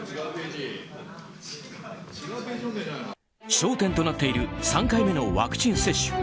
焦点となっている３回目のワクチン接種。